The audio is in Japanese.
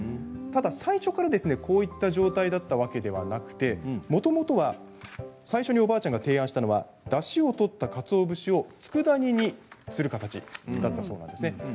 ただ最初からこういう状態だったわけではなくてもともとは最初におばあちゃんが提案したのは、だしを取ったかつお節をつくだ煮にする形だったそうなんですね。